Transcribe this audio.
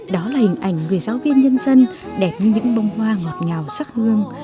đó là hình ảnh người giáo viên nhân dân đẹp như những bông hoa ngọt ngào sắc hương